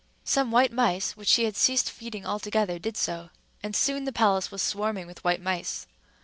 Some white mice, which she had ceased feeding altogether, did so; and soon the palace was swarming with white mice.